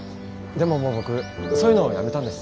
でももう僕そういうのやめたんです。